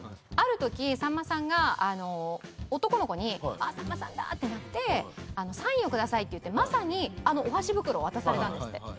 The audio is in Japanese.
あるときさんまさんが男の子に「さんまさんだ！」って「サインを下さい」ってまさにあのお箸袋を渡されたんですって。